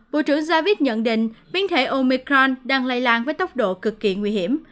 bộ trưởng javid nhận định biến thể omicron đang lây lan với tốc độ cực kỳ nguy hiểm